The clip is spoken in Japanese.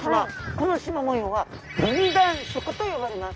このしま模様は分断色と呼ばれます。